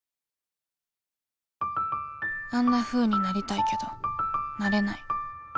あんなふうになりたいけどなれない